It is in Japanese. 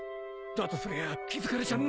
だとすりゃ気付かれちゃ